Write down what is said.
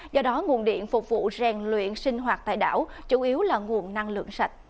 do đó nguồn điện phục vụ rèn luyện sinh hoạt tại đảo chủ yếu là nguồn năng lượng sạch